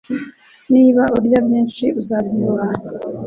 Niba urya byinshi, uzabyibuha